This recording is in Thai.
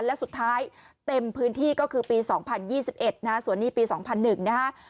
และสุดท้ายเต็มพื้นที่ก็คือปี๒๐๒๑นะฮะส่วนนี้ปี๒๐๐๑นะฮะ